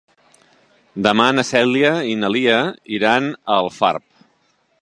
Demà na Cèlia i na Lia iran a Alfarb.